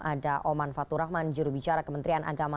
ada oman faturahman jurubicara kementerian agama